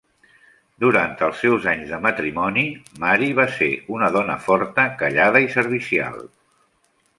Durant els seus anys de matrimoni, Mary va ser una dona forta, callada i servicial.